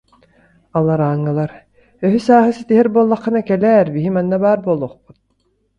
Алларааҥҥылар: «Өһү-сааһы ситиһэр буоллаххына, кэлээр, биһиги манна баар буолуохпут»